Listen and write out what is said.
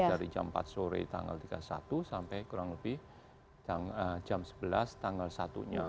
dari jam empat sore tanggal tiga puluh satu sampai kurang lebih jam sebelas tanggal satu nya